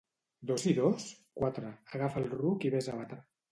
—Dos i dos? —Quatre. —Agafa el ruc i ves a batre.